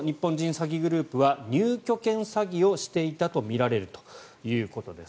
詐欺グループは入居権詐欺をしていたとみられるということです。